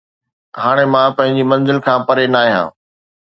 هاڻي مان پنهنجي منزل کان پري ناهيان